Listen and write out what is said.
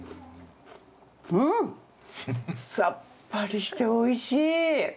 うん！さっぱりしておいしい。